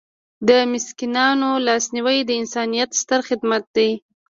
د مسکینانو لاسنیوی د انسانیت ستر خدمت دی.